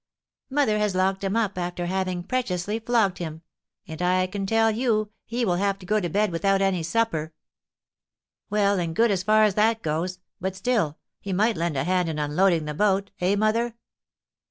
"Mother has locked him up, after having preciously flogged him; and, I can tell you, he will have to go to bed without any supper." "Well and good as far as that goes; but still, he might lend a hand in unloading the boat, eh, mother?